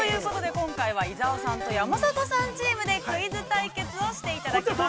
今回は伊沢さんと山里さんチームでクイズ対決をしていただきます。